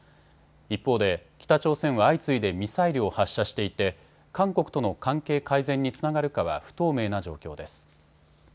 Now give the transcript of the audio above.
一方で北朝鮮は相次いでミサイルを発射していて韓国との関係改善につながるかは不透明な状況です。